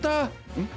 うん？